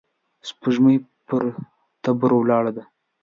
سپوږمۍ پر تبر ولاړه وه.